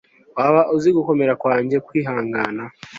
Waba uzi gukomera kwanjye kwihangana